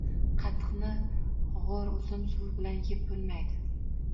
Qatiqni g‘o‘r uzum suvi bilan yeb bo‘lmaydi.